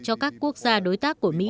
cho các quốc gia đối tác của mỹ